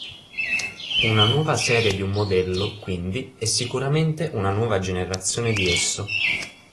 Una nuova serie di un modello quindi è sicuramente una nuova generazione di esso.